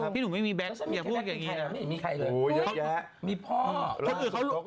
พี่หนูไม่มีแบ๊ก